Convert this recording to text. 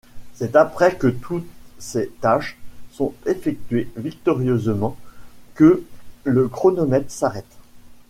C'est après que toutes ces tâches sont effectuées victorieusement que le chronomètre s'arrête.